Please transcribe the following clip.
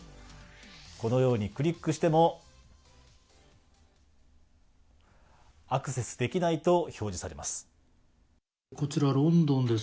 このようにクリックしても、アクセスできないと表示されます。